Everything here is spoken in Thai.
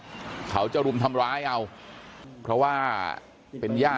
ที่เกิดเกิดเหตุอยู่หมู่๖บ้านน้ำผู้ตะมนต์ทุ่งโพนะครับที่เกิดเกิดเหตุอยู่หมู่๖บ้านน้ำผู้ตะมนต์ทุ่งโพนะครับ